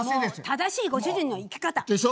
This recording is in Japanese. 正しいご主人の生き方！でしょ？